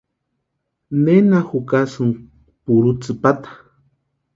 ¿Nena jukasïnki purhu tsïpata?